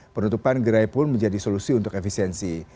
penutupan gerai pun menjadi solusi untuk efisiensi